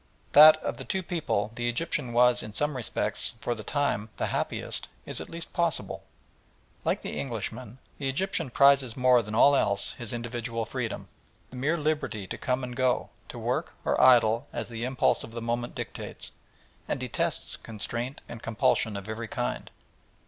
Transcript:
That, of the two people, the Egyptian was in some respects, for the time, the happiest is at least possible. Like the Englishman, the Egyptian prizes more than all else his individual freedom: the mere liberty to come and go, to work or idle as the impulse of the moment dictates, and detests constraint and compulsion of every kind.